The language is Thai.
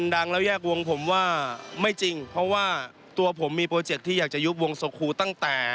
ดังแล้วแยกวงผมว่าไม่จริงเพราะว่าตัวผมมีโปรเจคที่อยากจะยุบวงโซคูตั้งแต่